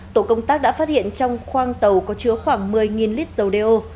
tổ công tác đã phát hiện trong khoang tàu có chứa khoảng một mươi lít dầu đeo